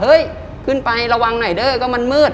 ขึ้นไประวังหน่อยเด้อก็มันมืด